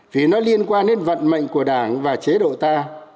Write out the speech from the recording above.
vì nó liên quan đến vận mệnh của đảng và chế độ ta